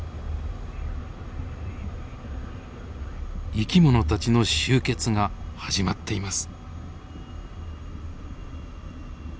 生き物たちの集結が始まっています。